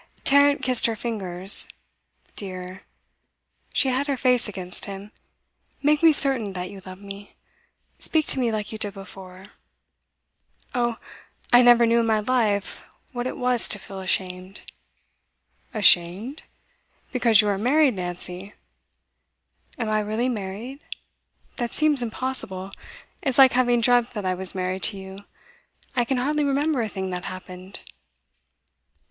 Tarrant kissed her fingers. 'Dear,' she had her face against him 'make me certain that you love me. Speak to me like you did before. Oh, I never knew in my life what it was to feel ashamed!' 'Ashamed? Because you are married, Nancy?' 'Am I really married? That seems impossible. It's like having dreamt that I was married to you. I can hardly remember a thing that happened.